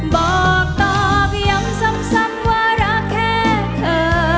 บอกต่อเพียงซ้ำว่ารักแค่เธอ